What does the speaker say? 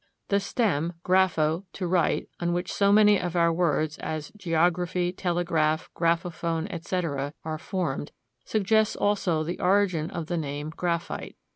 The stem, grapho (to write), on which so many of our words, as geography, telegraph, graphophone, etc., are formed, suggests also the origin of the name, graphite.